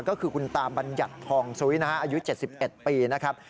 ก็คือคุณตาบัญญัติทองซุ้ยนะฮะอายุ๗๑ปีนะครับ